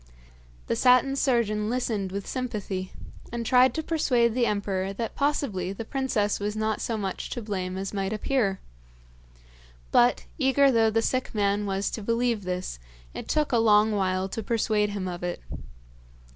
The Satin Surgeon listened with sympathy, and tried to persuade the emperor that possibly the princess was not so much to blame as might appear; but, eager though the sick man was to believe this, it took a long while to persuade him of it.